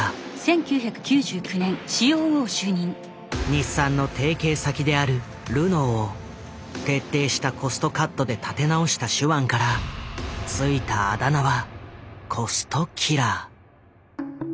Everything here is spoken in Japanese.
日産の提携先であるルノーを徹底したコストカットで立て直した手腕から付いたあだ名は「コストキラー」。